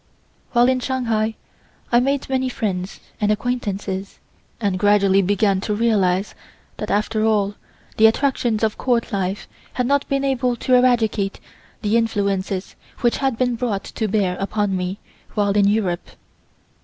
While in Shanghai I made many new friends and acquaintances and gradually began to realize that after all, the attractions of Court life had not been able to eradicate the influences which had been brought to bear upon me while in Europe.